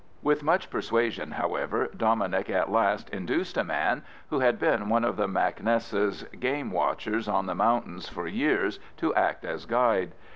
With much persuasion, however, Dominic at last induced a man, who had been one of the mac Nessa's game watchers on the mountains for years, to act as guide.